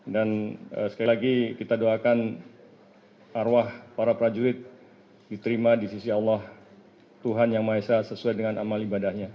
dan sekali lagi kita doakan arwah para prajurit diterima di sisi allah tuhan yang mahasiswa sesuai dengan amal ibadahnya